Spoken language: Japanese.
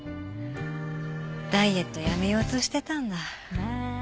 ダイエットやめようとしてたんだ。